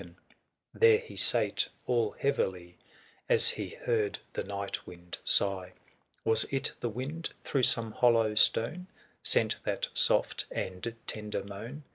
THE SIEGE OF CORINTH. 29 There he sate all heavily, As he heard the night wind sigh. 475 Was it the wind, through some hollow stone ^, Sent that soft and tender moan ?